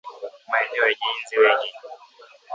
Maeneo yenye inzi wengi